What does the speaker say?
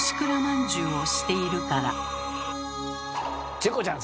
チコちゃん